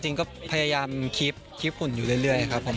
จริงก็พยายามคลิปฝุ่นอยู่เรื่อยครับผม